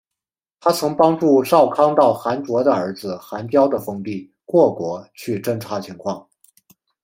她曾帮助少康到寒浞的儿子寒浇的封地过国去侦察情况。